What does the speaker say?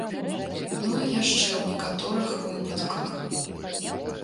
Ну і яшчэ ў некаторых выпадках.